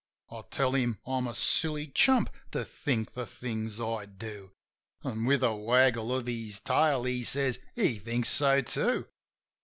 I tell him I'm a silly chump to think the things I do. An', with a waggle of his tail, he says he thinks so too.